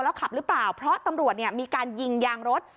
แล้วขับหรือเปล่าเพราะตำรวจมีการยิงยางรถ